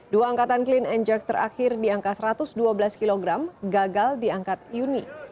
dua angkatan clean and jerk terakhir di angka satu ratus dua belas kg gagal diangkat yuni